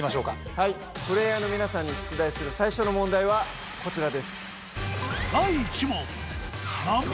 はいプレーヤーの皆さんに出題する最初の問題はこちらです。